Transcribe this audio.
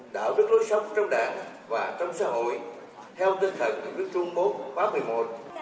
đạo đức lối sống trong đảng và trong xã hội theo tinh thần của nước trung bốn báo một mươi một